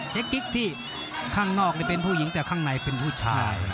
กิ๊กที่ข้างนอกนี่เป็นผู้หญิงแต่ข้างในเป็นผู้ชาย